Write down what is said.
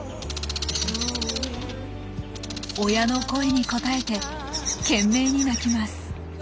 親の声に応えて懸命に鳴きます。